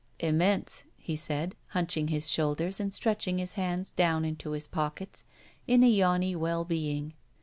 ''Immense," he said, hunching his shoulders and stretching his hands down into his pockets in a yawny well being.